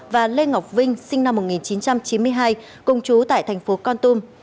và lê ngọc vinh sinh năm một nghìn chín trăm chín mươi hai công chú tại thành phố con tum